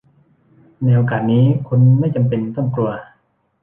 ในโอกาสนี้คุณไม่จำเป็นต้องกลัว